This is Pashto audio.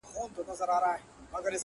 صحرايي ویل موچي درته وهمه.!